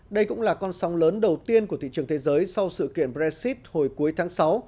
đây cũng là con sóng lớn đầu tiên của thị trường thế giới sau sự kiện brexit hồi cuối tháng sáu